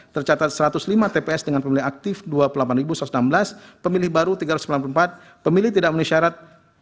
tercatat satu ratus lima tps dengan pemilih aktif dua puluh delapan satu ratus enam belas pemilih baru tiga ratus sembilan puluh empat pemilih tidak memenuhi syarat